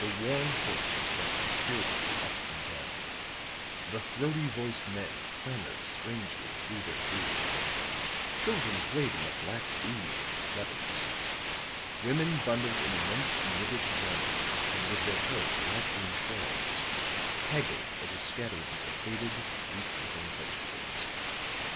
The worn horses went dispiritedly up and down; the throaty voiced men clamored strangely through their beards; children played in the black ooze of the gutters; women bundled in immense knitted garments and with their heads wrapped in shawls, haggled over scatterings of faded, weak looking vegetables.